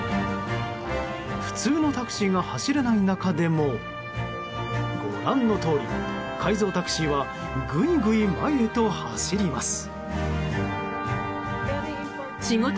普通のタクシーが走れない中でもご覧のとおり、改造タクシーはぐいぐい前へと走ります。